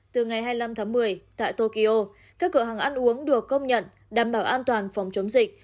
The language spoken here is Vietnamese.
từ ngày hai mươi năm tháng một mươi tại tokyo các cửa hàng ăn uống được công nhận đảm bảo an toàn phòng chống dịch